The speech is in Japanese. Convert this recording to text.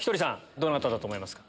どなただと思いますか？